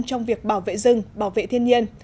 trong việc bảo vệ rừng bảo vệ thiên nhiên